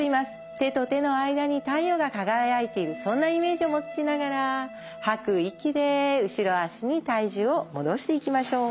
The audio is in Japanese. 手と手の間に太陽が輝いてるそんなイメージを持ちながら吐く息で後ろ足に体重を戻していきましょう。